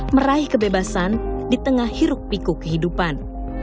meraih kebebasan di tengah hiruk piku kehidupan